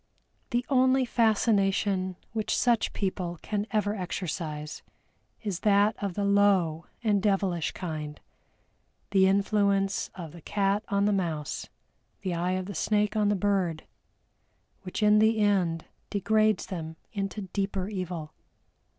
The only fascination which such people can ever exercise is that of the low and devilish kind, the influence of the cat on the mouse, the eye of the snake on the bird, which in the end degrades them into deeper evil.